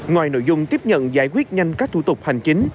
ngoài nội dung tiếp nhận giải quyết nhanh các thủ tục hành chính